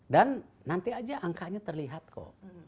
dan nanti aja angkanya terlihat kok